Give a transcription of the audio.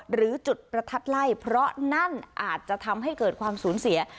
หรือจุดประทัดไล่เพราะนั่นอาจจะทำให้เกิดความสูญเสีย